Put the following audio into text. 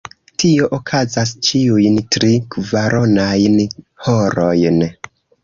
Tio okazas ĉiujn tri-kvaronajn horojn.